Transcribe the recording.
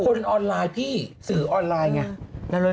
คนออนไลน์พี่สื่อออนไลน์ไง